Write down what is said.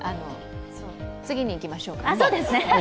次にいきましょうか。